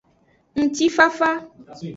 Ngutifafa.